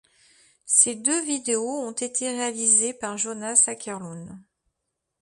Ces deux vidéos ont été réalisées par Jonas Åkerlund.